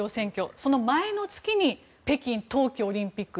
その前の月に北京冬季オリンピック